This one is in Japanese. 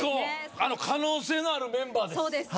可能性のあるメンバーです。